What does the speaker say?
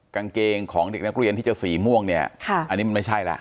กางเกงของเด็กนักเรียนที่จะสีม่วงเนี่ยอันนี้มันไม่ใช่แล้ว